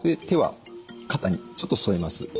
手は肩にちょっと添えます。